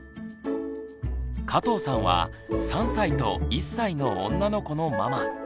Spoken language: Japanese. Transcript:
加藤さんは３歳と１歳の女の子のママ。